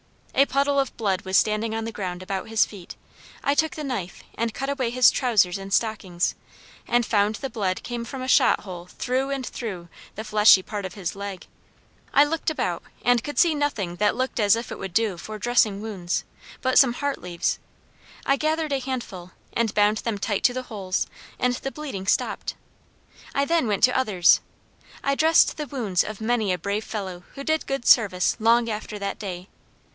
A puddle of blood was standing on the ground about his feet I took the knife, and cut away his trousers and stockings, and found the blood came from a shot hole through and through the fleshy part of his leg. I looked about and could see nothing that looked as if it would do for dressing wounds, but some heart leaves. I gathered a handful and bound them tight to the holes; and the bleeding stopped. I then went to others; I dressed the wounds of many a brave fellow who did good service long after that day!